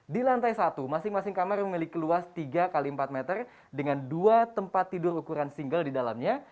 di lantai satu masing masing kamar memiliki luas tiga x empat meter dengan dua tempat tidur ukuran single di dalamnya